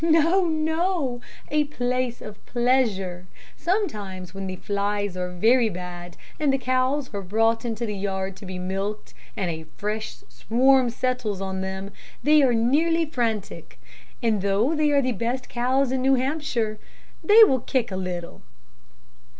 "No, no; a place of pleasure. Sometimes when the flies are very bad and the cows are brought into the yard to be milked and a fresh swarm settles on them, they are nearly frantic; and though they are the best cows in New Hampshire, they will kick a little.